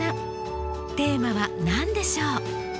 テーマは何でしょう？